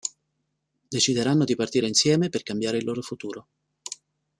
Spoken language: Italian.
Decideranno di partire insieme per cambiare il loro futuro.